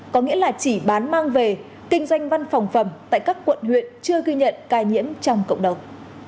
có nghĩa là chỉ bán mang về kinh doanh văn phòng phẩm tại các quận huyện chưa ghi nhận ca nhiễm trong cộng đồng